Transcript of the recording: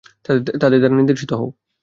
তাদের দ্বারা নির্দেশিত হও।